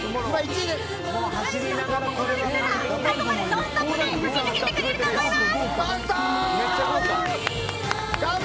最後までノンストップで駆け抜けてくれると思います！